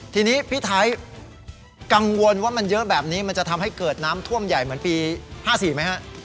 ทีนี้พี่ไทยกังวลว่ามันเยอะแบบนี้มันจะทำให้เกิดน้ำท่วมใหญ่เหมือนปี๕๔ไหมฮะ